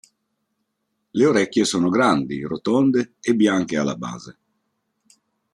Le orecchie sono grandi, rotonde e bianche alla base.